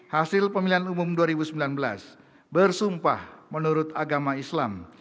hasil pemilihan umum dua ribu sembilan belas bersumpah menurut agama islam